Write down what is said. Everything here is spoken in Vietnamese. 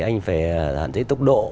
anh phải giảm giấy tốc độ